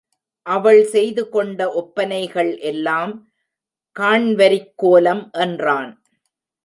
அவள் செய்து கொண்ட ஒப்பனைகள் எல்லாம், காண்வரிக் கோலம் என்றான்.